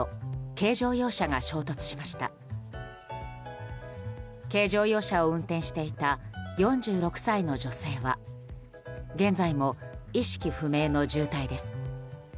軽乗用車を運転していた４６歳の女性は現在も意識不明の重体です。